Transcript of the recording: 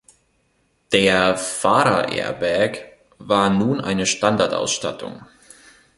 Der Fahrerairbag war nun eine Standardausstattung.